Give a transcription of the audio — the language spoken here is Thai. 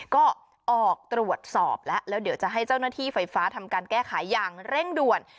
ก็ออกตรวจสอบแล้วแล้วเดี๋ยวจะให้เจ้าหน้าที่ไฟฟ้าทำการแก้ไขอย่างเร่งด่วน